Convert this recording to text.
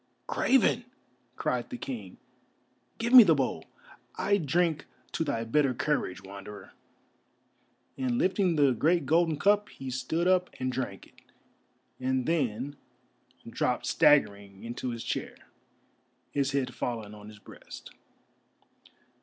"Craven!" cried the King, "give me the bowl. I drink to thy better courage, Wanderer," and lifting the great golden cup, he stood up and drank it, and then dropped staggering into his chair, his head fallen on his breast.